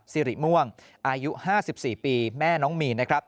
สิริม่วงอายุ๕๔มีนน